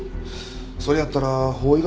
それやったら法医学のほうで。